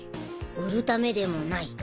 売るためでもない。